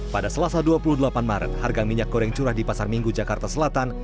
pada selasa dua puluh delapan maret harga minyak goreng curah di pasar minggu jakarta selatan